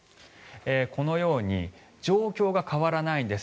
このように状況が変わらないんです。